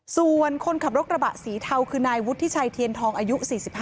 ส่วนคนขับรถกระบะสีเทาคือนายวุฒิชัยเทียนทองอายุ๔๕